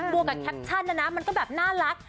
วกกับแคปชั่นนะนะมันก็แบบน่ารัก